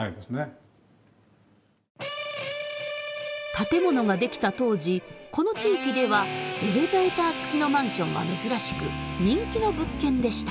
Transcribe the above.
建物が出来た当時この地域ではエレベーター付きのマンションは珍しく人気の物件でした。